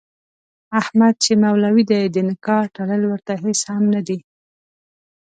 احمد چې مولوي دی د نکاح تړل ورته هېڅ هم نه دي.